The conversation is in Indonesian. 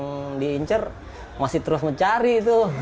yang diincer masih terus mencari itu